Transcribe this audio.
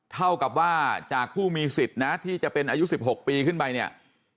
เท่ากับว่าจากผู้มีสิทธิ์นะที่จะเป็นอายุ๑๖ปีขึ้นไปเนี่ย